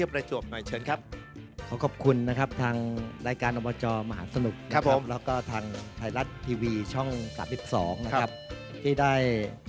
พวกยังแม่โทษหลาย